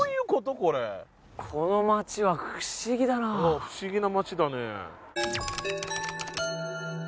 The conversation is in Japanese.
これこの街は不思議だなあ不思議な街だね